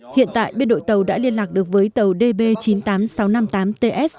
hiện tại biên đội tàu đã liên lạc được với tàu db chín mươi tám nghìn sáu trăm năm mươi tám ts